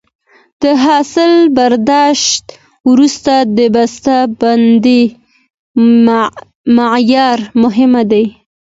د حاصل برداشت وروسته د بسته بندۍ معیار مهم دی.